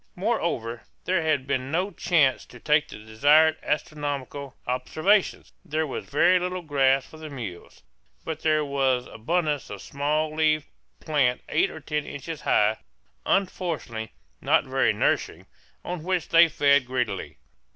Moreover, there had been no chance to take the desired astronomical observations. There was very little grass for the mules; but there was abundance of a small leaved plant eight or ten inches high unfortunately, not very nourishing on which they fed greedily.